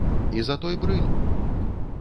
І за той брыль?